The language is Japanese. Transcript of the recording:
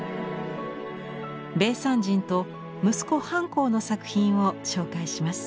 米山人と息子半江の作品を紹介します。